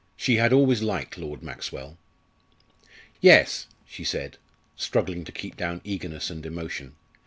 She had always liked Lord Maxwell. "Yes," she said, struggling to keep down eagerness and emotion.